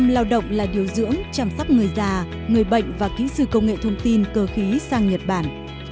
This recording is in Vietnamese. một trăm linh lao động là điều dưỡng chăm sóc người già người bệnh và kỹ sư công nghệ thông tin cơ khí sang nhật bản